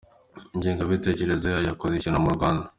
Ingengabitekerezo yayo yakoze ishyano mu Rwanda.